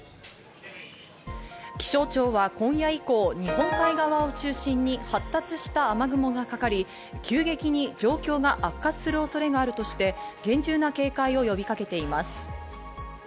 気象庁は今夜以降、日本海側を中心に発達した雨雲がかかり、急激に状況が悪化する恐れがあるとして厳重な警戒を呼びかけています。